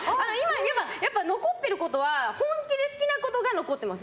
残ってることは、本気で好きなことが残っています。